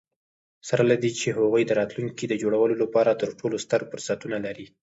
سره له دي، هغوی د راتلونکي د جوړولو لپاره تر ټولو ستر فرصتونه لري.